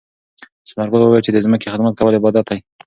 ثمر ګل وویل چې د ځمکې خدمت کول عبادت دی.